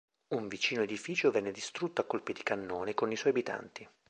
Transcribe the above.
Un vicino edificio venne distrutto a colpi di cannone, con i suoi abitanti.